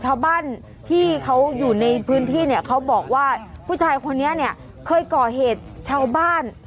ชาวบ้านที่เขาอยู่ในพื้นที่เนี่ยเขาบอกว่าผู้ชายคนนี้เนี่ยเคยก่อเหตุชาวบ้าน